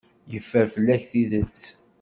Yeffer fell-ak tidet.